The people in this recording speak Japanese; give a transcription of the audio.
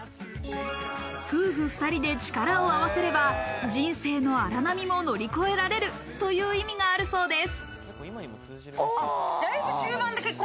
夫婦２人で力を合わせれば人生の荒波も乗り越えられるという意味があるそうです。